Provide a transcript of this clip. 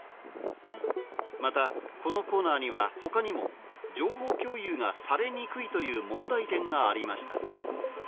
またこのコーナーには他にも情報共有がされにくいという問題点がありました